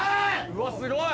うわすごい